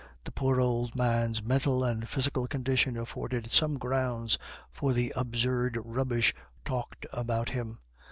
The poor old man's mental and physical condition afforded some grounds for the absurd rubbish talked about him.